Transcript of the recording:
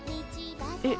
えっ。